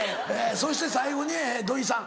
そして最後に土井さん。